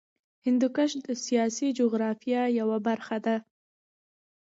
هندوکش د سیاسي جغرافیه یوه برخه ده.